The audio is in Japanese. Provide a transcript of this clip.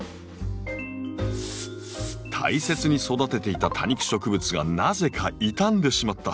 大切に育てていた多肉植物がなぜか傷んでしまった。